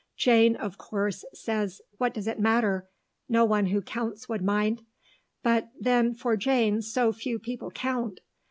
Jane, of course, says, what does it matter, no one who counts would mind; but then for Jane so few people count.